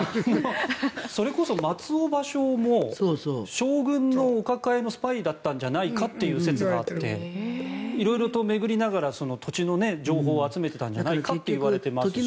それこそ松尾芭蕉も将軍のお抱えのスパイだったんじゃないかという説もあって色々と巡りながら土地の情報を集めていたんじゃないかと言われていますし。